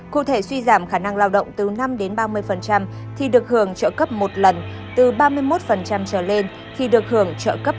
cụ thể suy giảm khả năng lao động từ năm ba mươi thì được hưởng chế độ tai nạn lao động